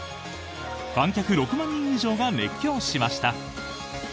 観客６万人以上が熱狂しました。